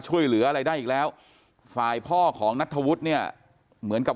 ช่วยเหลืออะไรได้อีกแล้วฝ่ายพ่อของนัทธวุฒิเนี่ยเหมือนกับ